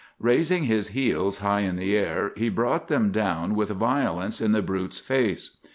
"Raising his heels high in the air, he brought them down with violence in the brute's face.